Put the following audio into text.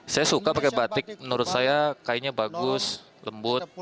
saya suka pakai batik menurut saya kainnya bagus lembut